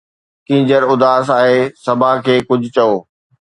ڪينجهر اداس آهي، صبا کي ڪجهه چئو